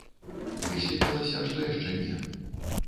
Высветлілася, што яшчэ не.